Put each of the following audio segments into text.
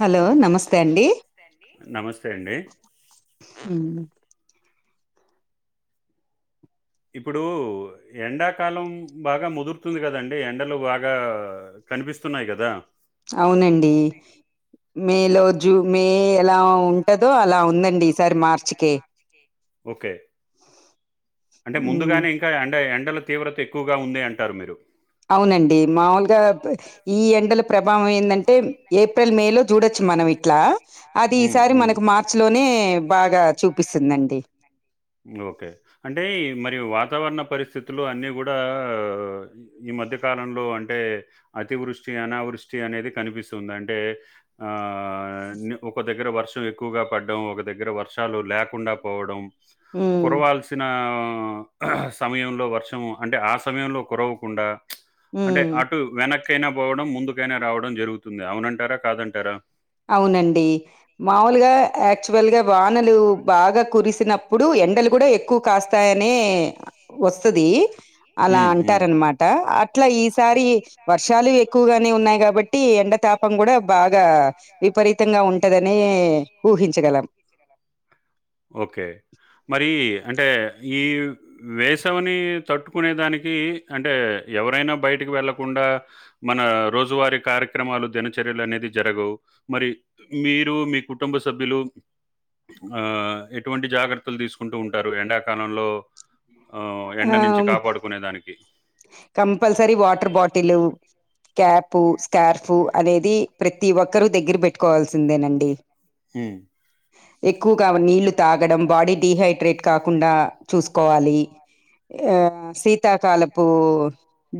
Hello నమస్తే అండి నమస్తే అండి ఉ ఇప్పుడు ఎండాకాలం బాగా ముదురుతుంది కదండి. ఎండలు బాగా కనిపిస్తున్నాయి కదా అవునండి మేలో జూ మే ఎలా ఉంటదో అలా ఉందండి ఈసారి మార్చికే ఓకే అంటే ముందుగానే ఇంకా అంటే ఎన్ ఎండల తీవ్రత ఎక్కువగా ఉందే అంటారు మీరు అవునండి మాముూలుగా ఈ ఎండలు ప్రభావం ఏందంటే ఏప్రిల్ మే లో చూడొచ్చు మనం ఇట్టా అది ఈసారి మనకు మార్చి లోనే బాగా చూపిస్తుందండి. ఓకే అంటే మరియు వా వాతావరణ పరిస్థితులు అన్నీ కూడా ఈ మధ్య కాలంలో అంటే అతివృష్టి అనావృష్టి అనేది కనిపిస్తుంది అంటే ఆ దగ్గర వర్షం ఎక్కువగా పడ్డం. ఒక దగ్గర వర్షాలు లేకుండా పోవడం. కురవాల్సిన ఆ సమయంలో వర్షము అంటే ఆ సమయంలో కురవకుండా అంటే అటు వెనుక్కయినా పోవడం ముందుకైనా రావడం జరుగుతుంది. అవునంటారా, కాదంటారా. అవునండి మాముూలుగా యాక్చువల్గా వానలు బాగా కురిసిన ప్పుడు ఎండలు కూడా ఎక్కువ కాస్తాయనే వస్తది. అలా అంటారనమాట. అట్లా ఈసారి వర్షాలు ఎక్కువగానే ఉన్నాయి కాబట్టి ఎండ తాపం కూడా బాగా విపరీతంగా ఉంటదని ఊహించగలం ఓకే మరి అంటే ఈ వేసవిని తట్టుకునే దానికి అంటే ఎవరైనా బయటికి వెళ్ళకుండా మన రోజువారీ కార్యక్రమాలు దినచర్యలు అనేది జరగవు. మరి మీరు మీ కుటుంబ సబ్యులు ఆ ఎటువంటి జాగ్రత్తలు తీసుకుంటూ ఉంటారు. ఎండాకాలంలో ఆ ఎండ నుంచి కాపాడుకునే దానికి compulsory water bottle cap scarf అనేది ప్రతి ఒక్కరు దగ్గర పెట్టుకోవాల్సిందేనండి. హు ఎక్కువగా నీళ్లు తాగడం బాడీ డిహైడ్రేట్ కాకుండా చూసుకోవాలి. ఆ సీతాకాలపూ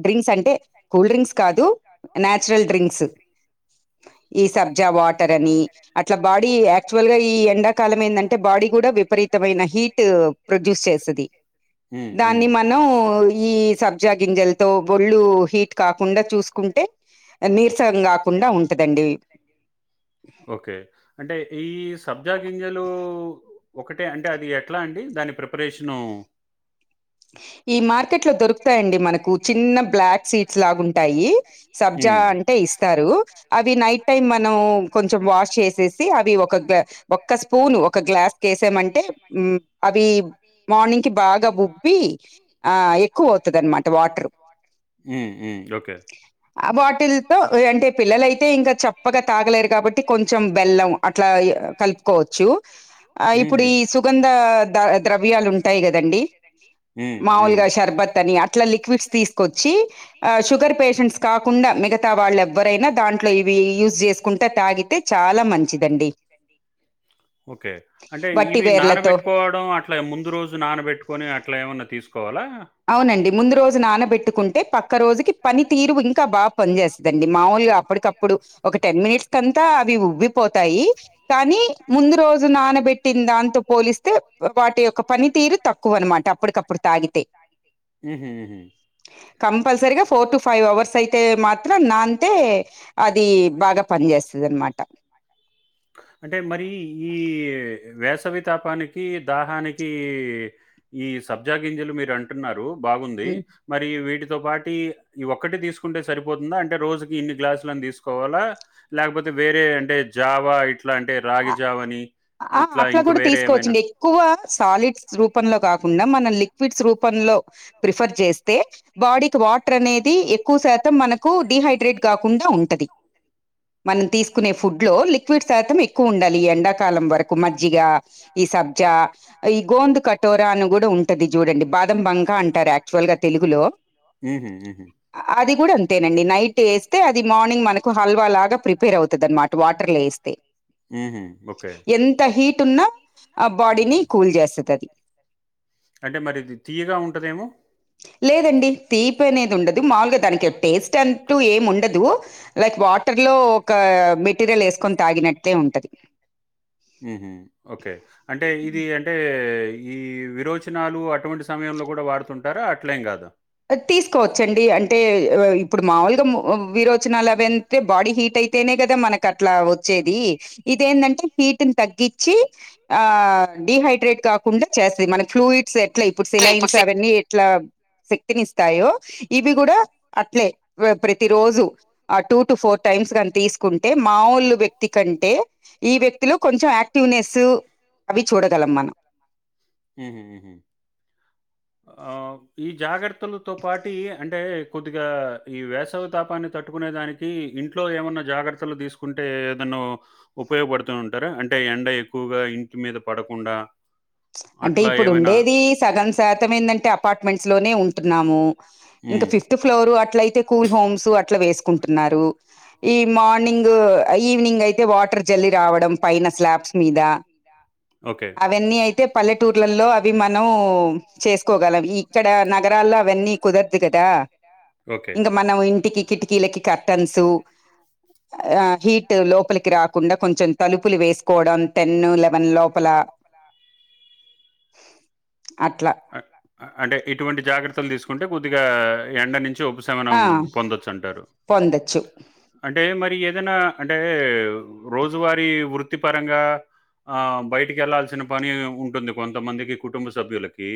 డ్రింక్స్ అంటే కూల్ డ్రింక్స్ కాదు నేచురల్ డ్రింక్స్ ఈ సబ్జా వాటర్ అని అట్లా బాడీ యాక్చువల్ గా ఈ ఎండాకాలం ఏందంటే బాడీ కూడా విపరీతమైన హీట్ ప్రొడ్యూస్ చేస్తది దాన్ని మనం ఈ సబ్జా గింజలతో ఒళ్ళు హీట్ కాకుండా చూసుకుంటే నీరసం కాకుండా ఉంటది దండి ఓకే అంటే ఈ సబ్జా గింజలు ఒకటే అంటే అది ఎట్లా అండి దాని ప్రిపరేషను ఈ మార్కెట్ లో దొరుకుతాయిండి మనకు చిన్న బ్లాక్ సీడ్స్ లాగుంటాయి సబ్జా అంటే ఇస్తారు అవి నైట్ టైమ్ మనం కొంచం వాష్ [inaudible] ఒక స్పూన్ ను ఒక గ్లాస్ వేసామంటే అవి మార్నింగ్ కి బాగా ఉ బ్బి ఆ ఎక్కువ అవుతది అన్నమాట వాటర్ మ్మ్ మ్మ్ ఓకే ఆ వాటిల్తో అంటే పిల్లలయితే ఇంకా చప్పగా తాగలేరు కాబట్టి కొంచెం బెల్లం అట్లా కలుపుకోవచ్చు ఆ ఇప్పుడు ఈ సుగంధ ద ద్రవ్యాలు ఉంటాయి కదండి ఉమ్ ఉమ్ షర్బత్ అని అట్లా లిక్విడ్స్ తీసుకొచ్చి ఆ షుగర్ పేషెంట్స్ కాకుండా మిగతా వాళ్ళ ఎవ్వరై ఒకే అంటే ఇవి నానబెట్టుకోవడం అట్లా ముందు రోజు నానబెట్టుకొని అట్లా ఏమన్నా తీసుకోవాలా అవునండి ముందు రోజు నానబెట్టుకుంటే పక్క రోజుకి పనితీరు ఇంకా బాగా పని చేేస్తదండి మాముూలుగా అప్పటికప్పుడు ఒక టెన్ మినిట్స్ కంతా అవి ఉబ్బి పోతాయి కానీ ముందు రోజు నానబెట్టిన దాంతో పోలిస్తే వాటి యొక్క పని తీరు తక్కువనమాట అప్పటికప్పుడు తాగితే ఉ హ్మ్ కంపల్సరిగా ఫోర్ టు ఫైవ్ అవర్స్ అయితే మాత్రం నాంతే అది బాగా పనిచేస్తది దన్న మాట అంటే మరి ఈ వేసవితాపానికి దాహానికి ఈ సబ్జా గింజలు మీరు అంటున్నారు బాగుంది మరి వీటి తో పాటి ఈ ఒక్కటి తీసుకుంటే సరిపోతుందా అంటే రోజుకి ఇన్ని గ్లాసులని తీసుకోవాలా లేకపోతే వేరే అంటే జావా ఇట్లా అంటే రాగి జావని ఆ అట్లా కూడా తీసుకోవచ్చండి ఎక్కువ సాలిడ్స్ రూపంలో కాకుండా మనల్ లిక్విడ్స్ రూపంలో ప్రిఫర్ చేస్తే బాడీకి వాటర్ అనేది ఎక్కువ శాతం మనకు వ డీహైడ్రేట్ కాకుండా ఉంటది మనం తీసుకునే ఫుడ్ లో లిక్విడ్ శాతం ఎక్కు ఎక్కువ ఉండాలి ఎండాకాలం వరకు మజ్జిగా ఈ సబ్జా ఈ గోండు కటోరాను కూడా ఉంటది చూడండి బాదం బంకా అంటారు యాక్చువల్ గా తెలుగులో అది కూడా అంతేనండి నైట్ వేస్తే అది మార్నింగ్ మనకు హల్వాలాగా ప్రిపేర్ అవుతు తద్ అన్న మాట వాటర్లో ఏస్తే ఎంత హీట్ ఉన్నా ఆ బాడీని కూల్ చేస్తుది అంటే మరిది లేదండి తీపనేదుండదు మామూలుగా దానికి టేస్ట్ అంటూ ఏం ఉండదు లైక్ వాటర్ లో ఒక మెటీరియల్ వేసుకొని తాగినట్టే ఉంటది ఉహ్మ్ ఓకే అంటే ఇది అంటే ఈ విరోచనాలు అటువంటి సమయంలో కూడా వాడుతుంటారా అట్లేం కాదా తీసుకోవచ్చండి అంటే ఇప్పుడు మాముూలుగా విరోచనాలువంటే బాడీ హీట్ అయితేనే కదా మనకు అట్లా వచ్చేది ఇదేంటంటే హీట్ ని తగ్గించి ఆ డిహైడ్రేట్ కాకుండా చేస్తుది మన ఫ్లూయిడ్స్ ఎట్లా ఇప్పుడు సిలైన్స్ అవన్నీ ఎట్లా ఇస్తాయో ఇవి కూడా అట్లే ప్రతి రోజు ఆ టూ టు ఫోర్ టైమ్స్ ని తీసుకుంటే మాముూలు వ్యక్తి కంటే ఈ వ్యక్తిలో కొంచెం యాక్టివ్నెస్ అవి చూడగలం మనం మ్మ్ హ్మ్ మ్మ్ హ్మ్ ఈ జాగ్రత్తలతో పాటి అంటే కొద్దిగా ఈ వేస సవితాపాన్ని తట్టుకునే దానికి ఇంట్లో ఏమన్నా జాగ్రత్తలు తీసుకుంటే ఏదో ఉపయోగపడుతుంది ఉంటారు అంటే ఎండ ఎక్కువగా ఇంటి మీద పడకుండా అంటే ఇప్పుడు ఉండేది సగం శాతం ఏందంటే అపార్ట్మెంట్స్ లోనే ఉంటున్నాము ఇంకా ఫిఫ్త్ ఫ్లోర్ అట్ల అయితే కూల్ హోమ్స్ అట్లా వేసు కుంటున్నారు ఈ మార్నింగ్ ఈవినింగ్ అయితే వాటర్ జల్లి రావడం పైన స్లాబ్ క్లాప్స్దా అవన్నీ అయితే పల్లెటూర్లలో అవి మనం చేస్త కోగలం ఇక్కడ నగరాల్లో అవన్నీ కుదరదు కదా ఇంకా మనం ఇంటికి కిటికిలకి క [inaudible] ఆ హీట్ లోపలికి రాకుండా కొంచెం తలుపులు వేసుకోవడం టెన్ లెవెన్ లోపల [inaudible] ఆ అంటే ఇప్ ఇటువంటి జాగ్రత్తలు తీసుకుంటే కొద్దిగా ఎండ నుంచి ఉపశమనం పొందొచ్చు అంటారు అంటే మరి ఏదైనా అంటే రోజువారీ వృత్తి వృతిపరంగా ఆ బయటికి వెళ్లాల్సిన పని ఉంటుంది కొంతమందికి కుటుంబ సభ్యులకి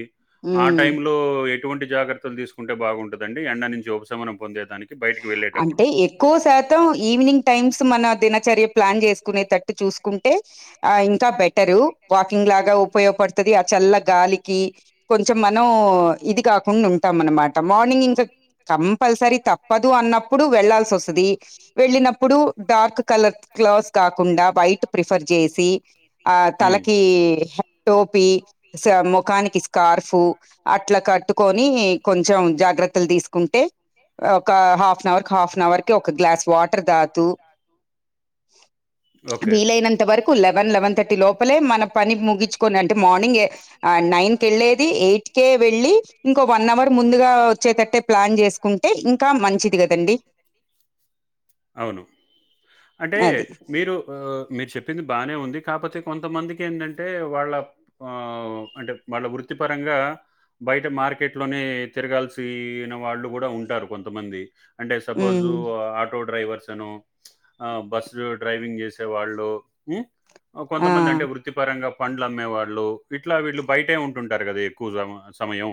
ఆ టైమ్ లో ఎటువంటి జాగ్రత్తలు తీసుకుంటే బాగుంటదండి ఎండా నుంచి ఉపశమనం పొందేదానికి బయటికి వెళ్ళేటప్పుడు ఎక్కువ శాతం ఈవినింగ్ టైమ్స్ మన దినచర్య ప్లాన్ చేసుకునే తట్టు చూసుకు టె ఆ ఇంకా బెట్ టారూ వాకింగ్ లాగా ఉపయోగపడుతుంది ఆ చల్ల గాలికి కొంచెం మనం ఇది కా తప్పకుండా ఉంటాం అనమాట మార్నింగ్ ఇంకా కంపల్సరీ త పదు అన్నప్పుడు వెళ్లాల్సి వస్తుంది వెళ్ళినప్పుడు డార్క్ కలర్ క్లాత్ కాకుండా బ బయట ప్రిఫర్ చేసి ఆ తలకి టోపి ముఖానికి స్కార్ఫ అట్లా కట్టుకోని కొని కొంచెం జాగ్రత్తలు తీసుకుంటే ఒక half an hour half an అవర్కి ఒక గ్లాస్ వాటర్ తాగుతూ వీలైనంత వరకు లెవెన్ లెవెన్ థర్టీ లోప లే మన పని ముగించుకని అంటే మార్నింగ్ నైన్ కి వెళ్ళలేది ఎయిట్క వెళ్ళి ఇం వన్ అవర్ ముందుగా వచ్చేటట్టే ప్లాన్ చేసుకుంట అవును అంటే మీరు ఆ మీరు చెప్పింది బానే ఉంది కొంతమందికి ఏంటంటే వాళ్ళ ఆ అంటే వాళ్ళ వృత్తి పరంగా బయట మార్కెట్ లోనే తిరగాల్సిన వాళ్ళు కూడా ఉంటారు కొంతమంది అంటే సపోజు ఆటో డ్రైవర్ చను ఆ బస్సు డ్రైవింగ్ చేసే వాళ్ళు హ్మ్ కొంతమంది అంటే వృత్తిపరంగా పండ్లు అమ్మే వాళ్ళు ఇట్లా వీళ్ళు బయటే ఉంటుంటారు కదా ఎక్కువ స సమయం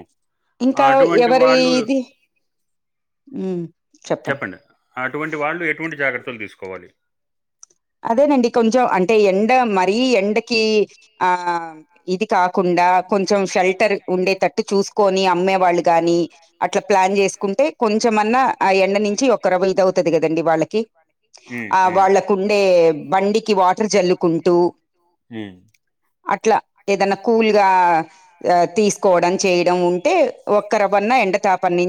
అటువంటి వాళ్ళు చెప్పండి అటువంటి వాళ్ళు ఎటువంటి జాగ్రత్తలు తీసుకోవాలి అదేనండి కొంచెం అంటే ఎండ మరీ ఎండకి ఆ ఇది కాకుండా కొంచెం షెల్టర్ ఉండేటట్టు చూసు కొని అమ్మే వాళ్ళు గాని అట్ల ప్లాన్ చేసుకుంటే కొంచెం అన్న ఆ ఎండనుంచి ఒక్క రబుల్ల్ తగుల్తది కదండి వాళ్ళకి ఆ వాళ్ళకు మ్మ్ అట్లా ఏదన్నా కూల్గా తీసుకోవడం చేయడం ఉంటే ఒక్కర ఎండ తాపం నుం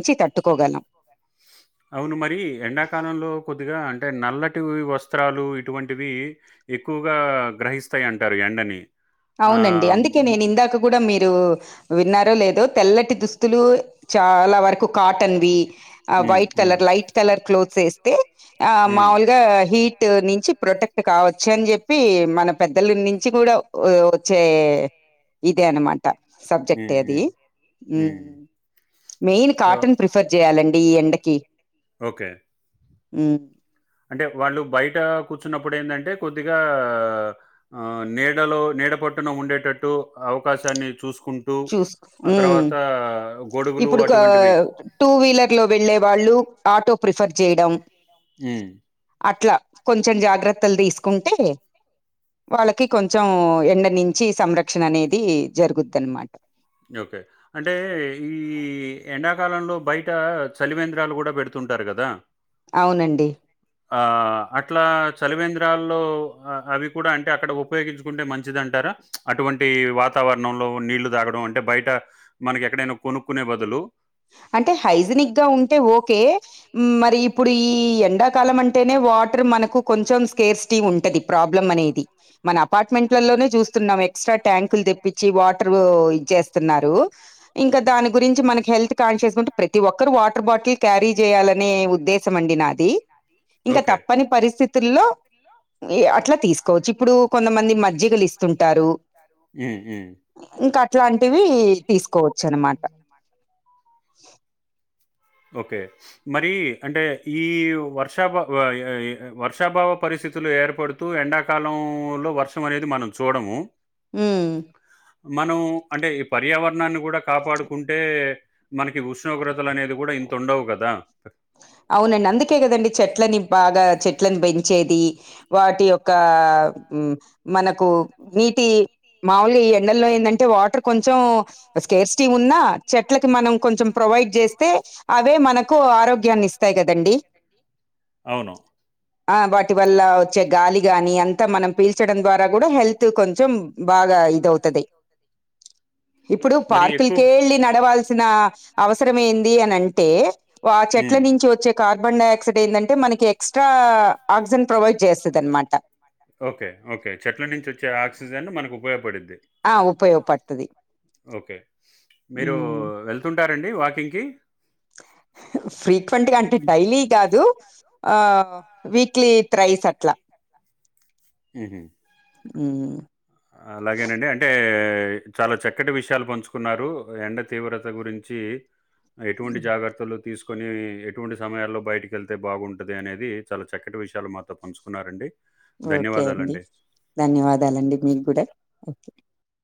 అవును మరి ఎండాకాలంలో కొద్దిగా అం టే నల్లటి వస్త్రాలు ఇటువంటివి ఎక్కువగా గ్రహిస్తాయి అంటారు ఎండని అవునండి అందుకే నేను ఇందాక కూడా మీరు విన్నారో లేదో తెల్లటి దుస్తులు చాలా వరకు కాటన్వి ఆ white colour light colour clothes వేస్తే ఆ మాముూలుగా హీ ట్ నుంచి ప్రొటెక్ట్ కావచ్చు అని చెప్పి మన పెద్దల నుంచి కూడా ఓ ఓచ్చే ఇదే అన్నమాట సబ్జెక్టే అది మెయిన్ కాటన్ ప్రిఫర్ చేయాలండి ఈ ఎండ కి ఓకే మ్మ్ అంటే వాళ్ళు బయట కూచ్చున్నప్పుడు ఎందంటే కొద్దిగా ఆ నీడలో నీడ పోట్టున ఉండేటట్టు అవకాశాన్ని చూసు చూసు హ్మ్ ఇప్పుడొక టూ వీలర్లో వెళ్ళే వా ళ్ళు ఆటో ప్రిఫర్ చేయడం మ్మ్ అట్లా కొంచెం జాగ్రత్తలు తీసుకుంటే వాళ్ళకి కొంచెం ఎండ నుంచి సంరక్షణ అనేది జరుగుద్ది అన్నమా ఎండాకాలంలో బయట చలివేంద్రాలు కూడా పెడుతుంటారు కదా అవునండి ఆ అట్లా చలివేంద్రాల్లో అవి కూడా అంటే అక్కడ ఉపయోగించుకుంటే మంచిదంట రా అటువంటి వాతావరణంలో నీళ్లు తాగడం అంటే బయట మనకి ఎక్కడైనా కొనుక్కునే బదులు అంటే హైజినిక్‌గా ఉంటే ఓకే మ రి ఇప్పుడు ఈ ఎండాకాలం అంటేనే వాటర్ మనకు కొంచెం స్కేర్స్టీ ఉంటది ప్రాబ్లం అనేది మన అపార్ట్మెంట్లలోనే చూస్తున్నాం ఎక్స్ట్రా ట్యాంకులు తెప్పిచి వాటర్ ఇచ్చేస్తున్నారు ఇంక దాని గురించి మనకి హెల్త్ కాన్షియస్‌గుంటే ప్రతి ఒక్కరు వాటర్ బాటిల్ క్యారీ చేయాలనే ఉద్దేశం అండి నాది ఇంకా త ప్పని పరిస్థితుల్లో అట్లా తీసుకోవచ్చు ఇప్పుడు కొంతమంది మజ్జిగలిస్తుంటారు హ్మ్ హ్మ్ ఇంక అట్లాంటివి తీసుకోవచ్చు అనమా ఓ ఇచిన్న మాట [inaudible] ఓకే మరి అంటే ఈ వర్షబా వర్షాభావ పరిస్థితులు ఏర్పడుతూ ఎండాకాలం లో వర్షం అనేది మనం చూడము హ్మ్ మనం అంటే ఈ పర్యావరణాన్ని కూడా కాపాడుకుంటే మనకి ఉష్ణోగ్రతలు అనేది కూడా ఇంత ఉండవు కదా అవునండి అందుకే కదండి చెట్లని బాగా చెట్లని పెంచేది వాటి యొక్క మ్మ్ మనకు నీటి మాముూలుగ ఈ ఎండల్లో ఏందంటే వాటర్ కొంచెం స్కేర్స్టీ ఉన్నా చెట్లకి మనం కొంచెం ప్రో వైడ్ చేస్తే అవే మనకు ఆరోగ్యాన్ని ఇస్తాయి కదండి అవును ఆ వాటి వల్ల వచ్చే గాలి గాని అంతా మనం పీల్చడం ద్వారా కూడా హెల్త్ కొంచెం బా గా ఇదవుతది ఇప్పుడు పార్కులకే ఎళ్ళి నడవాల్సిన అవసరం ఏంది అని అంటే వాచ్ ట్ల నుంచి వచ్చే కార్బన్ డై ఆక్సైడ్ ఏందంటే, మనకి ఎక్స్ట్రా ఆక్సిజన్ ప్రొవైడ్ చేస్తదనమాట. ఓకె ఓకె చెట్ల నుంచి వచ్చే ఆక్సిజన్ మనకు ఉపయోగపడిద్ది. ఆ ఉపయోగపడతది. ఓకె మీరు వెళ్తుంటారండి వాకింగ్ కి? ఫ్రీక్వెంట్గా అంటే, డైలీ కాదు. ఆ వీక్లీ త్రైస్ అట్ల. ఉహు మ్ అలాగేనండి. అంటే, చాల చక్కటి విషయాలు పంచుకున్నారు ఎండ తీవ్రత గురించ్ చీ ఎటువంటి జాగ్రత్తలు తీసు కొని ఎటువంటి సమయాల్లో బయటికెళ్తే బాగుంటది అనేది, చాలా చక్కటి విషయాలు మాతో పంచుకున్నారండి. ఓకె అండి ధన్యవాదాలండి మీకు కూడ. ఓకె